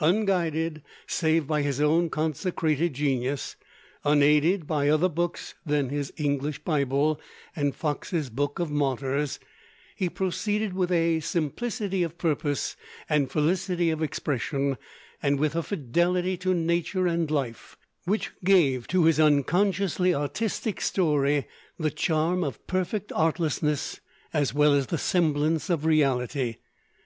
Unguided save by his own consecrated genius, unaided by other books than his English Bible and Fox's 'Book of Martyrs,' he proceeded with a simplicity of purpose and felicity of expression, and with a fidelity to nature and life, which gave to his unconsciously artistic story the charm of perfect artlessness as well as the semblance of reality.